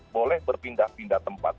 boleh berpindah pindah tempat